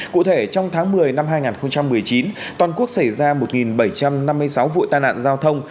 cụ thể trong tháng một mươi năm hai nghìn một mươi chín toàn quốc xảy ra một bảy trăm năm mươi sáu vụ tai nạn giao thông